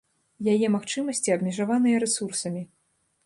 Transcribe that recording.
Яе магчымасці абмежаваныя рэсурсамі.